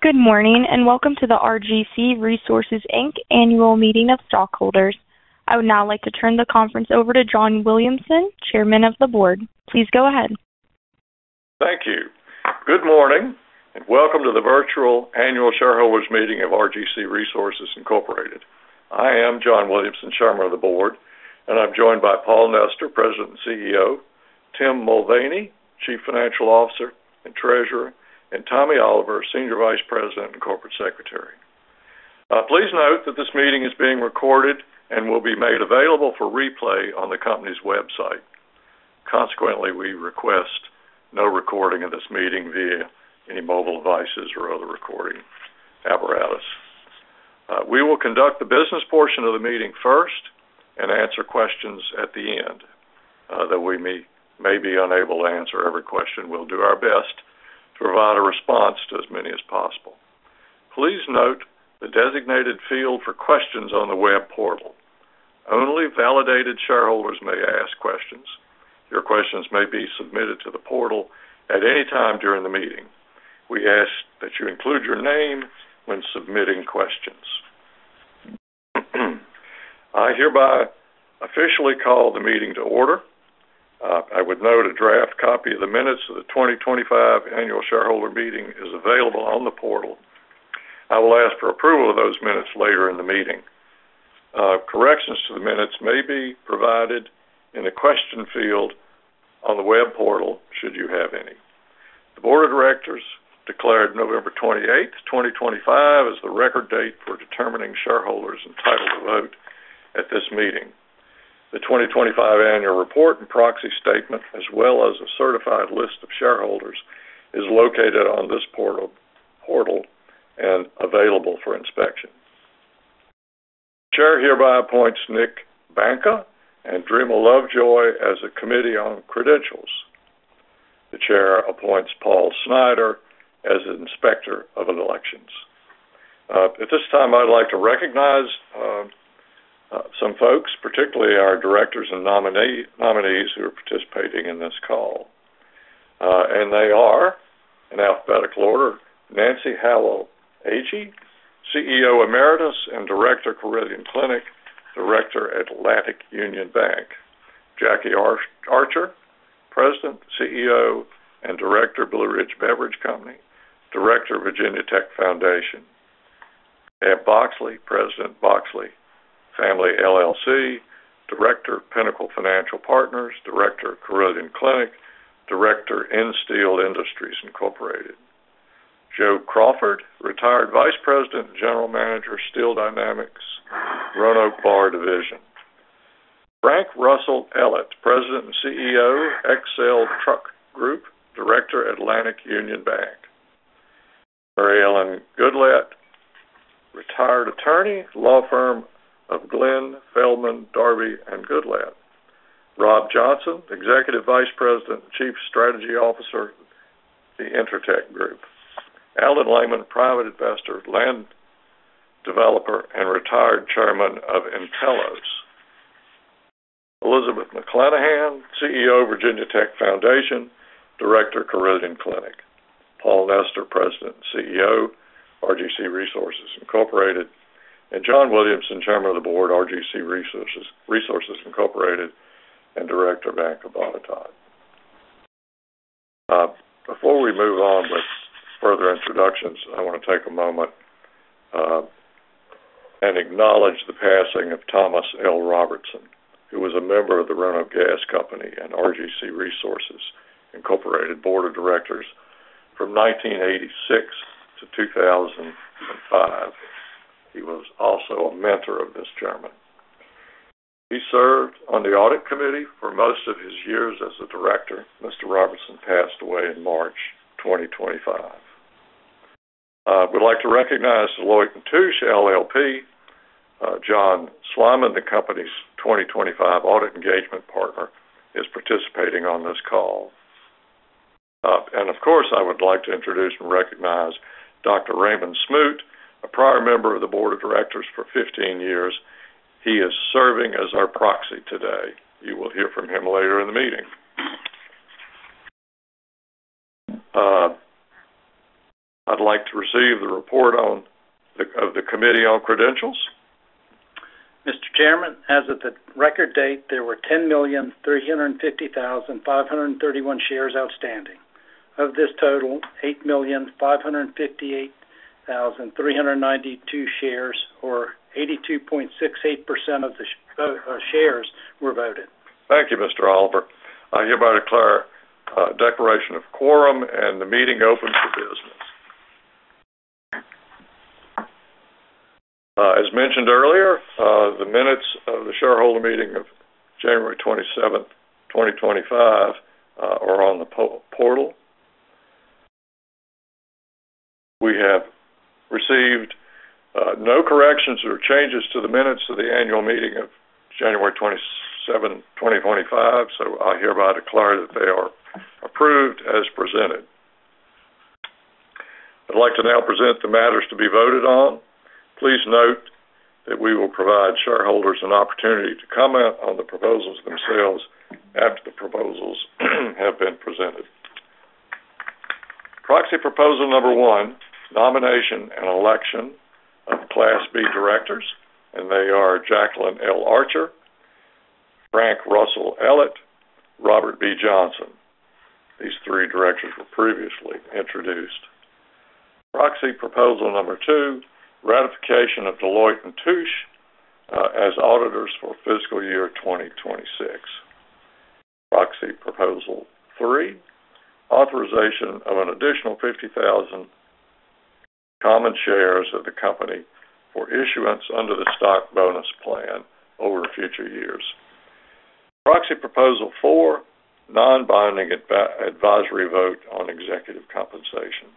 Good morning, and welcome to the RGC Resources Inc. Annual Meeting of Stockholders. I would now like to turn the conference over to John Williamson, Chairman of the Board. Please go ahead. Thank you. Good morning, and welcome to the virtual annual shareholders meeting of RGC Resources Incorporated. I am John Williamson, Chairman of the Board, and I'm joined by Paul Nester, President and CEO, Tim Mulvaney, Chief Financial Officer and Treasurer, and Tommy Oliver, Senior Vice President and Corporate Secretary. Please note that this meeting is being recorded and will be made available for replay on the company's website. Consequently, we request no recording of this meeting via any mobile devices or other recording apparatus. We will conduct the business portion of the meeting first and answer questions at the end. That we may be unable to answer every question. We'll do our best to provide a response to as many as possible. Please note the designated field for questions on the web portal. Only validated shareholders may ask questions. Your questions may be submitted to the portal at any time during the meeting. We ask that you include your name when submitting questions. I hereby officially call the meeting to order. I would note a draft copy of the minutes of the 2025 annual shareholder meeting is available on the portal. I will ask for approval of those minutes later in the meeting. Corrections to the minutes may be provided in the question field on the web portal, should you have any. The board of directors declared November 28, 2025, as the record date for determining shareholders entitled to vote at this meeting. The 2025 annual report and proxy statement, as well as a certified list of shareholders, is located on this portal and available for inspection. Chair hereby appoints Nick Bonka and Dreama Lovejoy as a Committee on Credentials. The chair appoints Paul Snyder as Inspector of Elections. At this time, I'd like to recognize some folks, particularly our directors and nominees who are participating in this call. And they are, in alphabetical order: Nancy Howell Agee, CEO Emeritus and Director, Carilion Clinic, Director, Atlantic Union Bank. Jackie Archer, President, CEO, and Director, Blue Ridge Beverage Company, Director, Virginia Tech Foundation. Ab Boxley, President, Boxley Family LLC, Director, Pinnacle Financial Partners, Director, Carilion Clinic, Director, Insteel Industries, Incorporated. Joe Crawford, Retired Vice President and General Manager, Steel Dynamics, Roanoke Bar Division. Frank Russell Ellett, President and CEO, Excel Truck Group, Director, Atlantic Union Bank. Maryellen Goodlatte, Retired Attorney, law firm of Glenn, Feldmann, Darby, and Goodlatte. Rob Johnston, Executive Vice President, Chief Strategy Officer, The InterTech Group. Allen Layman, private investor, land developer, and retired chairman of nTelos. Elizabeth McClanahan, CEO, Virginia Tech Foundation, Director, Carilion Clinic. Paul Nester, President and CEO, RGC Resources, Incorporated, and John Williamson, Chairman of the Board, RGC Resources, Incorporated, and Director, Bank of Botetourt. Before we move on with further introductions, I want to take a moment, and acknowledge the passing of Thomas L. Robertson, who was a member of the Roanoke Gas Company and RGC Resources Incorporated Board of Directors from 1986 to 2005. He was also a mentor of this chairman. He served on the audit committee for most of his years as a director. Mr. Robertson passed away in March 2025. We'd like to recognize Deloitte & Touche LLP. John Sleiman, the company's 2025 audit engagement partner, is participating on this call. And of course, I would like to introduce and recognize Dr. Raymond Smoot, a prior member of the board of directors for 15 years. He is serving as our proxy today. You will hear from him later in the meeting. I'd like to receive the report of the Committee on Credentials. Mr. Chairman, as of the Record Date, there were 10,350,531 shares outstanding. Of this total, 8,558,392 shares, or 82.68% of the shares were voted. Thank you, Mr. Oliver. I hereby declare declaration of quorum, and the meeting opens for business. As mentioned earlier, the minutes of the shareholder meeting of January 27th, 2025, are on the portal. We have received no corrections or changes to the minutes of the annual meeting of January 27, 2025, so I hereby declare that they are approved as presented. I'd like to now present the matters to be voted on.... will provide shareholders an opportunity to comment on the proposals themselves after the proposals have been presented. Proxy proposal number one: nomination and election of Class B directors, and they are Jacqueline L. Archer, Frank Russell Ellett, Robert Johnston. These three directors were previously introduced. Proxy proposal number two: ratification of Deloitte & Touche as auditors for fiscal year 2026. Proxy proposal 3: authorization of an additional 50,000 common shares of the company for issuance under the stock bonus plan over future years. Proxy proposal 4: non-binding advisory vote on executive compensation.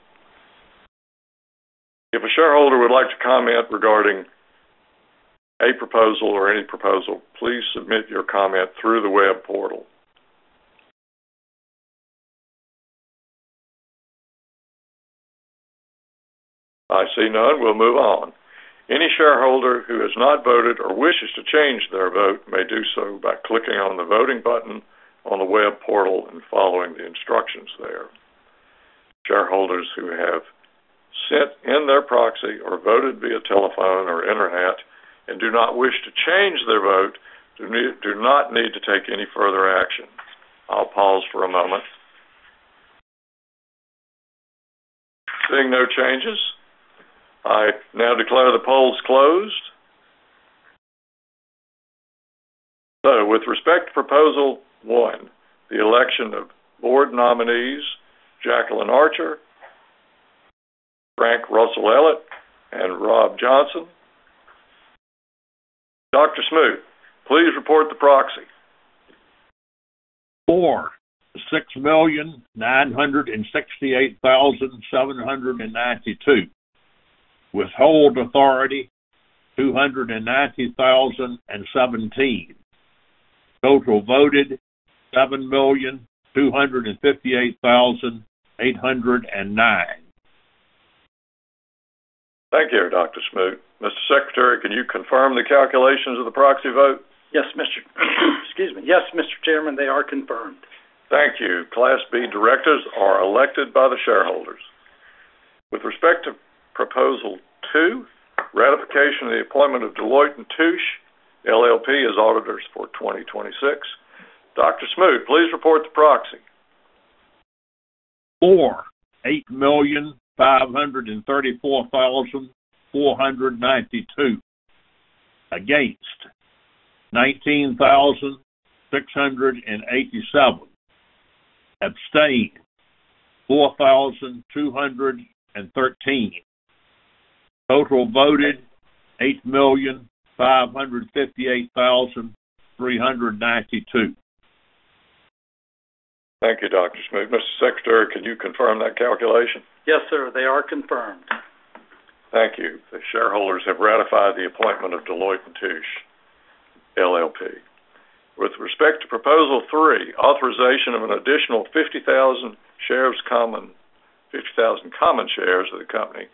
If a shareholder would like to comment regarding a proposal or any proposal, please submit your comment through the web portal. I see none. We'll move on. Any shareholder who has not voted or wishes to change their vote may do so by clicking on the voting button on the web portal and following the instructions there. Shareholders who have sent in their proxy or voted via telephone or internet and do not wish to change their vote do not need to take any further action. I'll pause for a moment. Seeing no changes, I now declare the polls closed. With respect to proposal one, the election of board nominees Jacqueline Archer, Frank Russell Ellett, and Rob Johnston. Dr. Smoot, please report the proxy. For: 6,968,792. Withhold authority: 290,017. Total voted: 7,258,809. Thank you, Dr. Smoot. Mr. Secretary, can you confirm the calculations of the proxy vote? Yes, Mr. Excuse me. Yes, Mr. Chairman, they are confirmed. Thank you. Class B directors are elected by the shareholders. With respect to proposal two, ratification of the appointment of Deloitte & Touche LLP as auditors for 2026. Dr. Smoot, please report the proxy. For, 8,534,492. Against, 19,687. Abstain, 4,213. Total voted, 8,558,392. Thank you, Dr. Smoot. Mr. Secretary, can you confirm that calculation? Yes, sir, they are confirmed. Thank you. The shareholders have ratified the appointment of Deloitte & Touche LLP. With respect to proposal three, authorization of an additional 50,000 shares common, 50,000 common shares of the company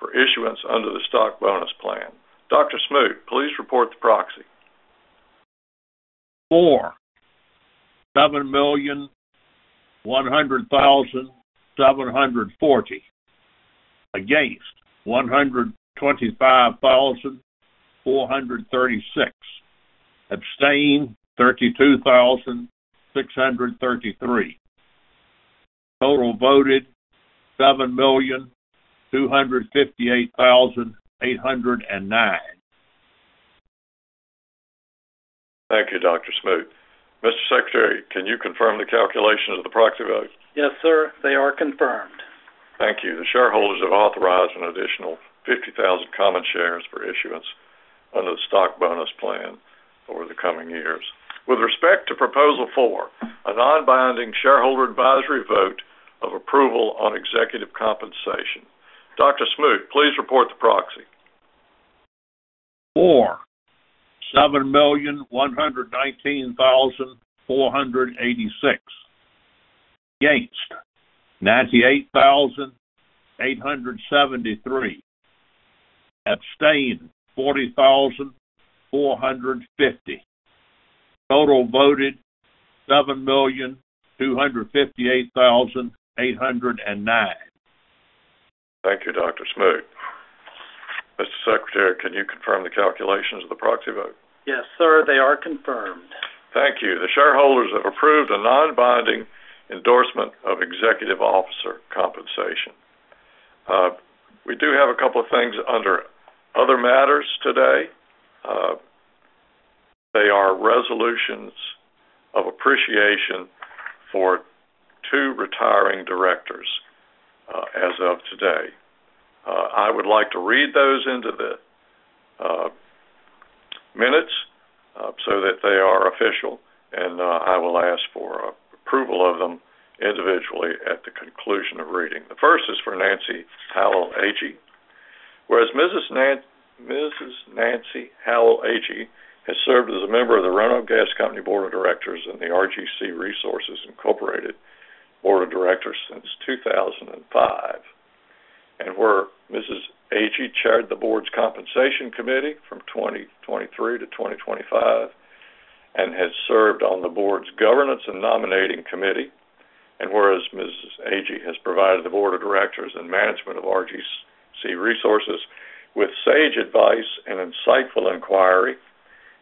for issuance under the stock bonus plan. Dr. Smoot, please report the proxy. For, 7,100,740. Against, 125,436. Abstain, 32,633. Total voted, 7,258,809. Thank you, Dr. Smoot. Mr. Secretary, can you confirm the calculation of the proxy vote? Yes, sir, they are confirmed. Thank you. The shareholders have authorized an additional 50,000 common shares for issuance under the stock bonus plan over the coming years. With respect to Proposal 4, a non-binding shareholder advisory vote of approval on executive compensation. Dr. Smoot, please report the proxy. For, 7,119,486. Against, 98,873. Abstain, 40,450. Total voted, 7,258,809. Thank you, Dr. Smoot. Mr. Secretary, can you confirm the calculations of the proxy vote? Yes, sir, they are confirmed. Thank you. The shareholders have approved a non-binding endorsement of executive officer compensation. We do have a couple of things under other matters today. They are resolutions of appreciation for two retiring directors, as of today. I would like to read those into the minutes, so that they are official, and I will ask for approval of them individually at the conclusion of reading. The first is for Nancy Howell Agee. Whereas Mrs. Nancy Howell Agee has served as a member of the Roanoke Gas Company board of directors and the RGC Resources Incorporated board of directors since 2005. And where Mrs. Agee chaired the Board's Compensation Committee from 2023 to 2025, and has served on the board's Governance and Nominating Committee. And whereas Mrs. Agee has provided the board of directors and management of RGC Resources with sage advice and insightful inquiry.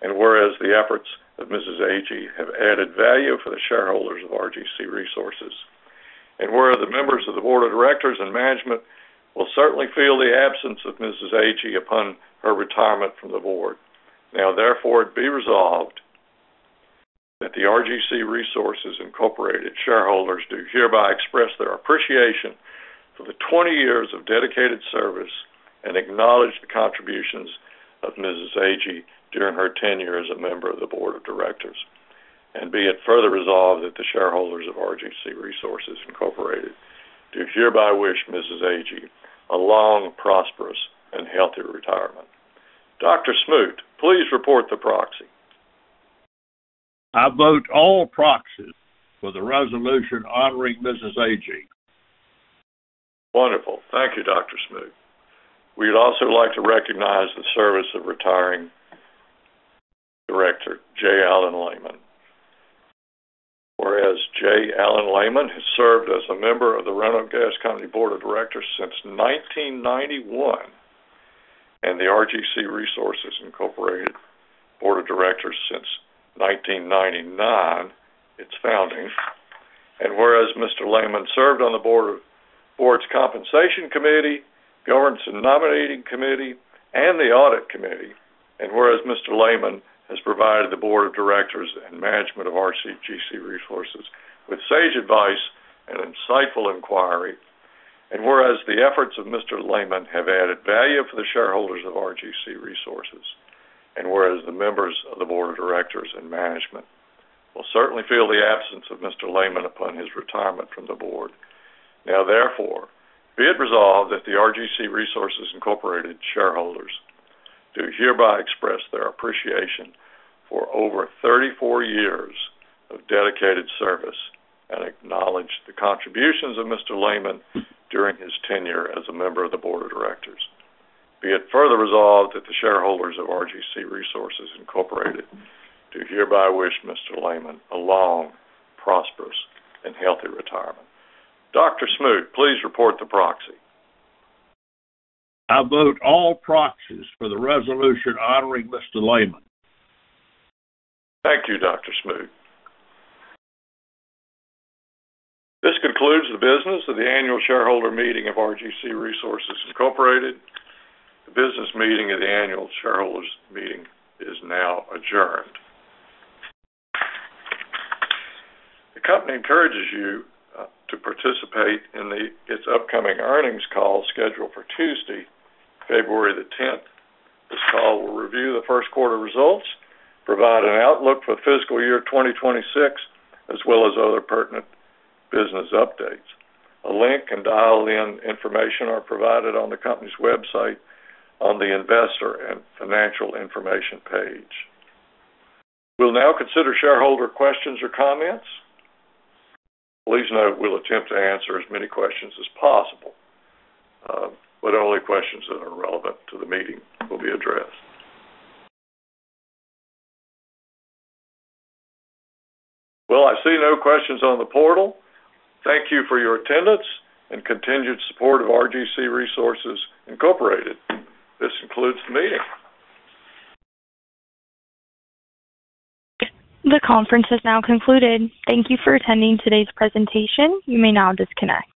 And whereas the efforts of Mrs. Agee have added value for the shareholders of RGC Resources, and whereas the members of the board of directors and management will certainly feel the absence of Mrs. Agee upon her retirement from the board. Now, therefore, it be resolved that the RGC Resources Incorporated shareholders do hereby express their appreciation for the 20 years of dedicated service and acknowledge the contributions of Mrs. Agee during her tenure as a member of the board of directors. And be it further resolved that the shareholders of RGC Resources Incorporated do hereby wish Mrs. Agee a long, prosperous and healthy retirement. Dr. Smoot, please report the proxy. I vote all proxies for the resolution honoring Mrs. Agee. Wonderful. Thank you, Dr. Smoot. We'd also like to recognize the service of retiring director J. Allen Layman. Whereas J. Allen Layman has served as a member of the Roanoke Gas Company board of directors since 1991, and the RGC Resources Incorporated board of directors since 1999, its founding. And whereas Mr. Layman served on the board's Compensation Committee, Governance and Nominating Committee, and the Audit Committee. And whereas Mr. Layman has provided the board of directors and management of RGC Resources with sage advice and insightful inquiry. And whereas the efforts of Mr. Layman have added value for the shareholders of RGC Resources, and whereas the members of the board of directors and management will certainly feel the absence of Mr. Layman upon his retirement from the board. Now, therefore, be it resolved that the RGC Resources Incorporated shareholders do hereby express their appreciation for over 34 years of dedicated service and acknowledge the contributions of Mr. Layman during his tenure as a member of the board of directors. Be it further resolved that the shareholders of RGC Resources Incorporated do hereby wish Mr. Layman a long, prosperous, and healthy retirement. Dr. Smoot, please report the proxy. I vote all proxies for the resolution honoring Mr. Layman. Thank you, Dr. Smoot. This concludes the business of the annual shareholder meeting of RGC Resources Incorporated. The business meeting of the annual shareholders meeting is now adjourned. The company encourages you to participate in its upcoming earnings call, scheduled for Tuesday, February the 10th. This call will review the first quarter results, provide an outlook for fiscal year 2026, as well as other pertinent business updates. A link and dial-in information are provided on the company's website on the Investor and Financial Information page. We'll now consider shareholder questions or comments. Please note, we'll attempt to answer as many questions as possible, but only questions that are relevant to the meeting will be addressed. Well, I see no questions on the portal. Thank you for your attendance and continued support of RGC Resources Incorporated. This concludes the meeting. The conference has now concluded. Thank you for attending today's presentation. You may now disconnect.